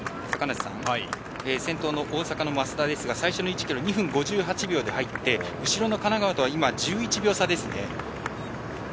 先頭の大阪の増田ですが最初の１ｋｍ２分５８秒で入って後ろの神奈川とは１１秒差ですね。